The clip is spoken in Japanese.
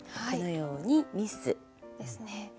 このように「ミス」。ですね。